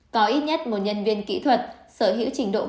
có ít nhất một nhân viên kỹ thuật sở hữu trình độ cao